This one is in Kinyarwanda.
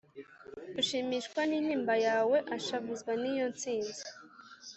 Ushimishwa n'intimba yawe ashavuzwe niyo nsinzi.